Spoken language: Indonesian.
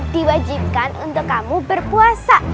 diwajibkan untuk kamu berpuasa